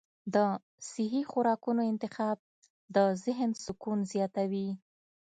د صحي خوراکونو انتخاب د ذهن سکون زیاتوي.